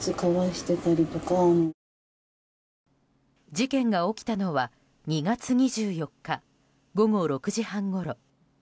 事件が起きたのは２月２４日午後６時半ごろ。